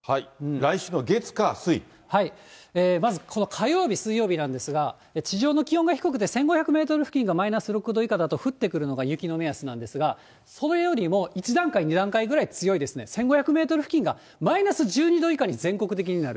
来週の月、火、まずこの火曜日、水曜日なんですが、地上の気温が低くて、１５００メートル付近がマイナス６度以下だと降ってくるのが雪の目安なんですが、それよりも一段階、二段階ぐらい強いですね、１５００メートル付近が、マイナス１２度以下に全国的になる。